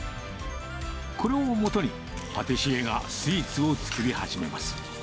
これをもとに、パティシエスイーツを作り始めます。